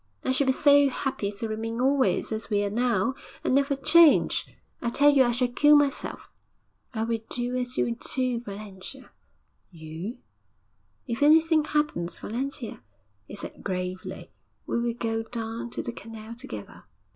I should be so happy to remain always as we are now, and never change. I tell you I shall kill myself.' 'I will do as you do, Valentia.' 'You?' 'If anything happens, Valentia,' he said gravely, 'we will go down to the canal together.'